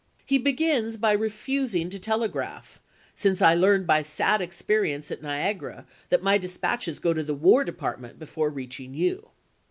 He begins by refusing to telegraph, " Since I learned by sad experience at Niagara that my dis patches go to the War Department before reaching you."